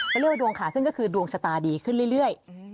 เขาเรียกว่าดวงขาขึ้นก็คือดวงชะตาดีขึ้นเรื่อย